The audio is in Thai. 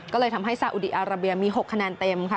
ก็เลยทำให้ซาอุดีอาราเบียมี๖คะแนนเต็มค่ะ